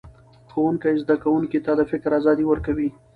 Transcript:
ښوونکی زده کوونکو ته د فکر ازادي ورکوي